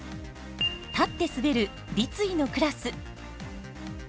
立って滑る、立位のクラス。